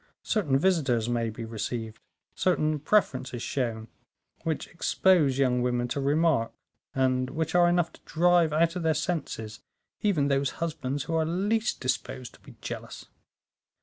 Certain visitors may be received, certain preferences shown, which expose young women to remark, and which are enough to drive out of their senses even those husbands who are least disposed to be jealous."